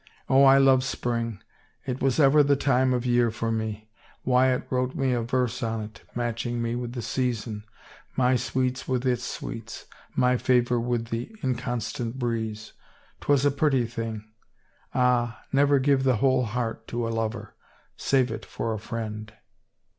Oh, I love spring. It was ever the time of year for me. Wyatt wrote me a verse on't, matching me with the season — my sweets with its sweets, my favor with the inconstant breeze. 'Twas a pretty thing. Ah, never give the whole heart to a lover. Save it for a friend."